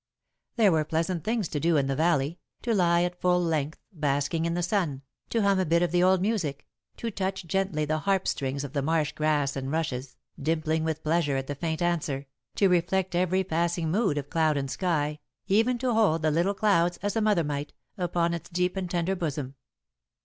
There were pleasant things to do in the valley, to lie at full length, basking in the sun, to hum a bit of the old music, to touch gently the harp strings of the marsh grass and rushes, dimpling with pleasure at the faint answer, to reflect every passing mood of cloud and sky, even to hold the little clouds as a mother might, upon its deep and tender bosom.